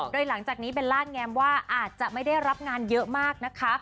โดยหลังจากนี้เบลล่าแงมว่าอาจจะไม่ได้รับงานเยอะมากนะคะ